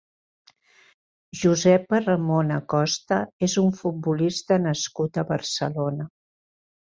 Josep Perramon Acosta és un futbolista nascut a Barcelona.